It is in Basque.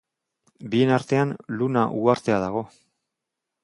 Bien artean Luna Uhartea dago.